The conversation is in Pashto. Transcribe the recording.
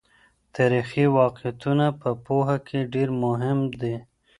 تاریخي واقعیتونه په پوهه کې ډېر مهم دي.